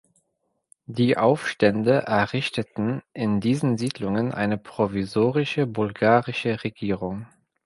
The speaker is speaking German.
Die Aufstände errichteten in diesen Siedlungen eine provisorische bulgarische Regierung.